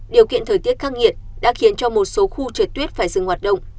điều kiện thời tiết khắc nghiệt đã khiến cho một số khu trượt tuyết phải dừng hoạt động